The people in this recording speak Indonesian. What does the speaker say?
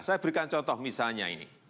saya berikan contoh misalnya ini